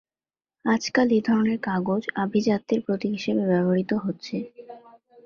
আজকাল এ ধরনের কাগজ আভিজাত্যের প্রতীক হিসেবে ব্যবহৃত হচ্ছে।